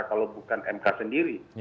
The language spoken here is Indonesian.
kalau bukan mk sendiri